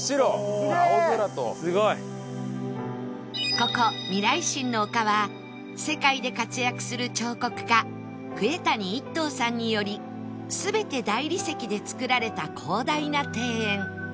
ここ未来心の丘は世界で活躍する彫刻家杭谷一東さんにより全て大理石で造られた広大な庭園